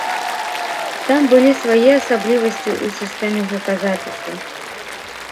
Там былі свае асаблівасці ў сістэме гуказапісу.